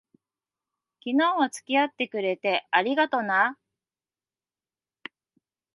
昨日は付き合ってくれて、ありがとな。